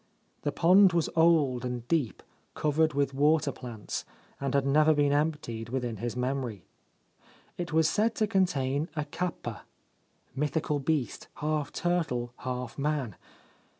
The pond was old and deep, covered with water plants, and had never been emptied within his memory. It was said to contain a kappa (mythical beast, half turtle, half man).